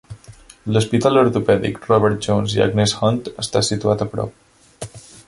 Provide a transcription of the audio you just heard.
L'Hospital Ortopèdic Robert Jones i Agnes Hunt està situat a prop.